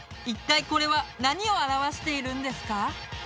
一体これは何を表しているんですか？